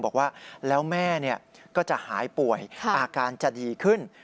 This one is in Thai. บอกว่าแล้วแม่ก็จะหายป่วยอาการจะดีขึ้น